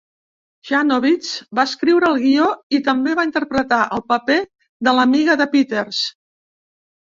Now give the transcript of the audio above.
Janowitz va escriure el guió i també va interpretar el paper de l'amiga de Peters.